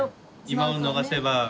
今を逃せば。